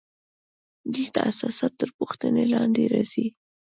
دلته اساسات تر پوښتنې لاندې راځي.